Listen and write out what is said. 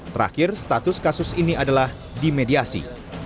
terakhir status kasus ini adalah dimediasi